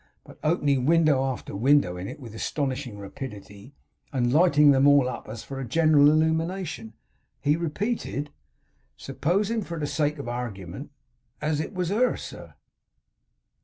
But opening window after window in it with astonishing rapidity, and lighting them all up as for a general illumination, he repeated: 'Supposin', for the sake of argument, as it was her, sir!